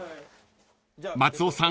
［松尾さん